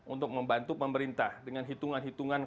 untuk membantu pemerintah dengan hitungan hitungan